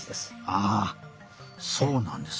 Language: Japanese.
あそうなんですね。